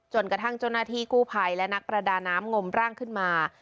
จนกระทั่งเจ้าหน้าที่กู้ภัยและนักประดาน้ำงมร่างขึ้นมา